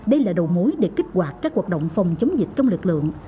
đây là đầu mối để kích hoạt các hoạt động phòng chống dịch trong lực lượng